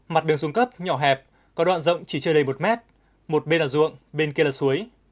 mặt đường xuống cấp nhỏ hẹp có đoạn rộng chỉ chưa đầy một mét một bên là ruộng bên kia là suối